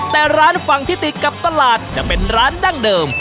แต่ร้านฝั่งที่ติดกับตลาดจะเป็นร้านดั้งเดิม